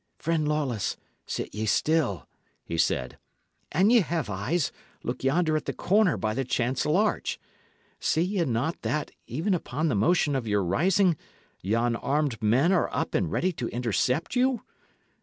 "Friend Lawless, sit ye still," he said. "An ye have eyes, look yonder at the corner by the chancel arch; see ye not that, even upon the motion of your rising, yon armed men are up and ready to intercept you?